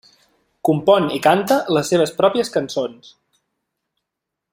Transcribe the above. Compon i canta les seves pròpies cançons.